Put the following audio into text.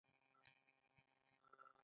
هغوی به یې پرېږدي چې شتمنۍ ټولې کړي.